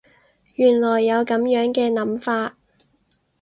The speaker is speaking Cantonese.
原來有噉樣嘅諗法